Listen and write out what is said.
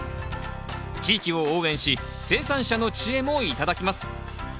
地域を応援し生産者の知恵も頂きます。